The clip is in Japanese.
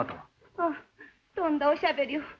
ああとんだおしゃべりを。